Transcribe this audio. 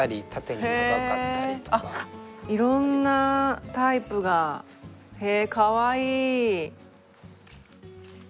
いろんなタイプが。へかわいい。